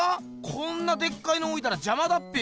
こんなでっかいのおいたらじゃまだっぺよ。